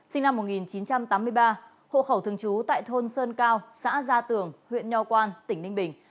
sinh năm một nghìn chín trăm tám mươi ba hộ khẩu thường trú tại thôn sơn cao xã gia tường huyện nho quan tỉnh ninh bình